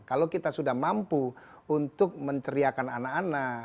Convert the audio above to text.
kalau kita sudah mampu untuk menceriakan anak anak